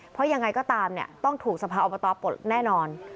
เพราะยังไงก็ตามต้องถูกสภาอบตปลดแน่นอน